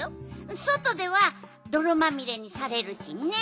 そとではどろまみれにされるしね。